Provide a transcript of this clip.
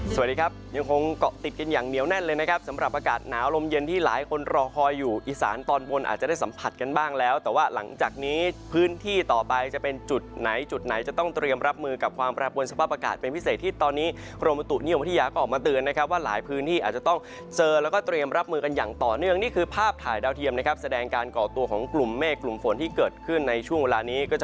สวัสดีครับยังคงเกาะติดกันอย่างเหนียวแน่นเลยนะครับสำหรับอากาศหนาวลมเย็นที่หลายคนรอคอยอยู่อีสานตอนบนอาจจะได้สัมผัสกันบ้างแล้วแต่ว่าหลังจากนี้พื้นที่ต่อไปจะเป็นจุดไหนจุดไหนจะต้องเตรียมรับมือกับความประบวนสภาพอากาศเป็นพิเศษที่ตอนนี้โครงบิตุนิยมพระธิยากออกมาเตือนนะครับว่าห